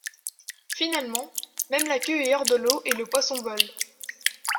Finalement, même la queue est hors de l'eau et le poisson vole.